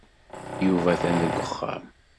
Yuba atan deg uxxam.